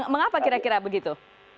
mengapa kira kira begitu